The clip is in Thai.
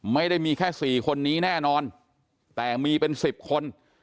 ไม่ได้มีแค่๔คนนี้แน่นอนแต่มีเป็น๑๐คน